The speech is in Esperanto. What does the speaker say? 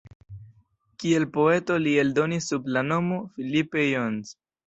Kiel poeto li eldonis sub la nomo "Philippe Jones".